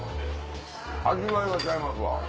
味わいがちゃいますわ。